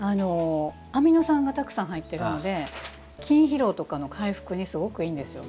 アミノ酸がたくさん入っているので筋疲労の回復にすごくいいんですよ。